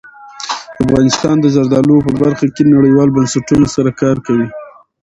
افغانستان د زردالو په برخه کې نړیوالو بنسټونو سره کار کوي.